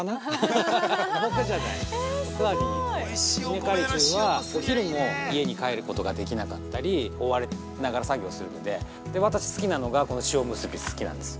◆稲刈り中は、お昼も家に帰ることができなかったり追われながら作業するので私、好きなのがこの塩むすび好きなんです。